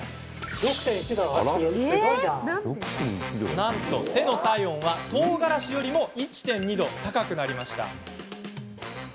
なんと、手の体温はとうがらしよりも１．２度高くなりました。